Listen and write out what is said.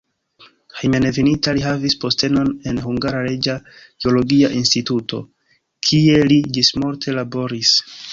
Hejmenveninta li havis postenon en "Hungara Reĝa Geologia Instituto", kie li ĝismorte laboris.